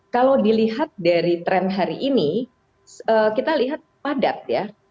kalau dilihat dari tren hari ini kita lihat padat ya